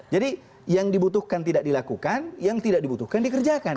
jadi yang dibutuhkan tidak dilakukan yang tidak dibutuhkan dikerjakan